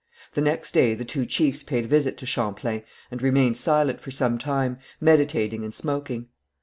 The next day the two chiefs paid a visit to Champlain and remained silent for some time, meditating and smoking.